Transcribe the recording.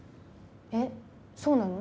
えそうなの？